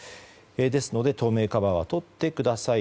ですので、透明カバーは取ってください。